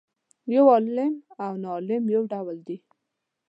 یو عالم او ناعالم یو ډول دي.